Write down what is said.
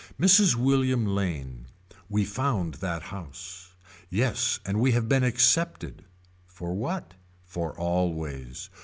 Mrs. William Lane. We found that house. Yes and we have been accepted. For what. For always.